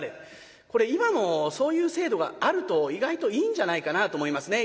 これ今もそういう制度があると意外といいんじゃないかなと思いますね。